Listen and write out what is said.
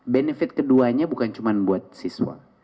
benefit keduanya bukan cuma buat siswa